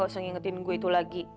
gak usah ngingetin gue itu lagi